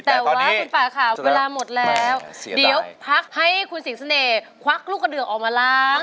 แต่ว่าคุณป่าค่ะเวลาหมดแล้วเดี๋ยวพักให้คุณสิงเสน่ห์ควักลูกกระเดือกออกมาล้าง